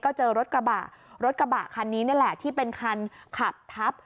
ก็เจอรถกระบะรถกระบะคันนี้นี่แหละที่เป็นคันขับทับ